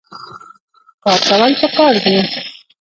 کار کول پکار دي